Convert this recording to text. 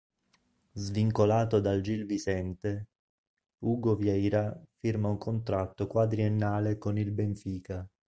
Svincolato dal Gil Vicente, Hugo Vieira firma un contratto quadriennale con il Benfica.